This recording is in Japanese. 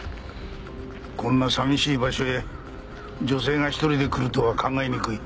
こんな寂しい場所へ女性が１人で来るとは考えにくい。